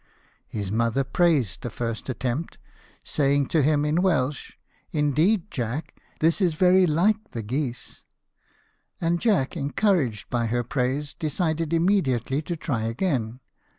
His mother praised the first attempt, saying to him in Welsh, " Indeed, Jack, this is very like the geese ;" and Jack, encouraged by her praise, decided immediately to try again.